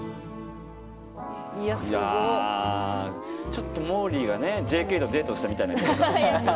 ちょっともーりーがＪＫとデートしたみたいに。